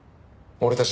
俺たち？